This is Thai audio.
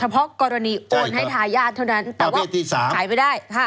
เพราะกรณีโอนให้ทายาทเท่านั้นแต่ว่าขายไม่ได้